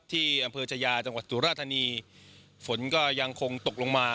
ที่อำเภอชายาจังหวัดสุราธานีฝนก็ยังคงตกลงมา